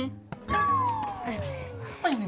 eh pak sopyan